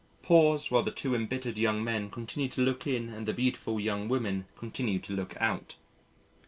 (Pause while the two embittered young men continue to look in and the beautiful young women continue to look out.)